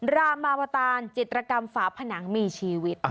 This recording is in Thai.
รามาวตานจิตรกรรมฝาผนังมีชีวิต